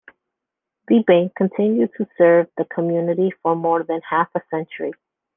The bank continued to serve the community for more than half a century.